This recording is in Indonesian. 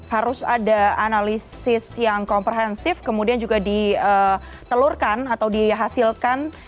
harus ada analisis yang komprehensif kemudian juga ditelurkan atau dihasilkan